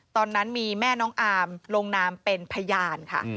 ตอนนั้นมีแม่น้องอาร์มลงนามเป็นพยานค่ะ